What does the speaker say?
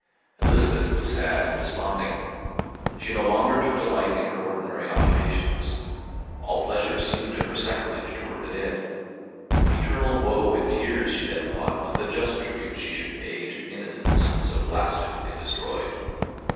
Elizabeth was sad and desponding; she no longer took delight in her ordinary occupations; all pleasure seemed to her sacrilege toward the dead; eternal woe and tears she then thought was the just tribute she should pay to innocence so blasted and destroyed.